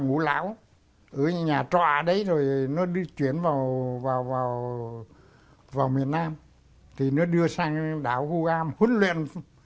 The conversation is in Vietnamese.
ngũ lão ở nhà trò đấy rồi nó đi chuyển vào vào vào vào miền nam thì nó đưa sang đảo hù an huấn luyện sử